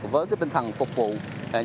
với tinh thần phục vụ nhân dân